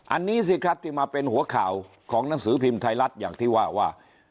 อันนี้สิครับที่มาเป็นหัวข่าวของหนังสือพิมพ์ไทยรัฐอย่างที่ว่าว่า